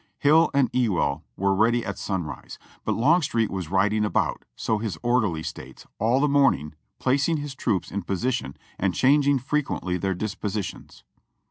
Hill and Ewell were ready at sunrise, but Longstreet was riding about, so his orderly states, all the morning, placing his troops in position and changing frequently their dispositions.